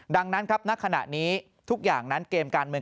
ดังนั้นครับณขณะนี้ทุกอย่างนั้นเกมการเมือง